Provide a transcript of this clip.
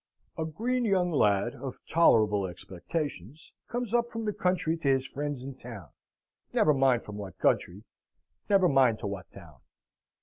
A green young lad of tolerable expectations, comes up from the country to his friends in town never mind from what country: never mind to what town.